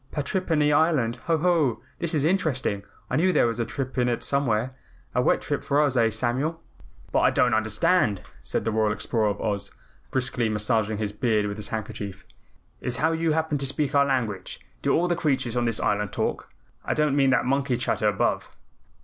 Patrippany Island. Ho, ho! This is interesting. I knew there was a trip in it somewhere, a wet trip for us, eh, Samuel?" "But what I don't understand," said the Royal Explorer of Oz, briskly massaging his beard with his handkerchief, "is how you happen to speak our language. Do all the creatures on this Island talk? I don't mean that monkey chatter above."